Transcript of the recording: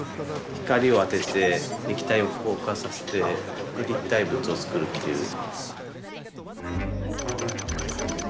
光を当てて液体を硬化させてで立体物を作るっていう。